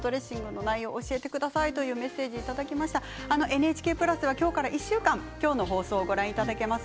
ＮＨＫプラスは今日から１週間今日の放送をご覧いただけます。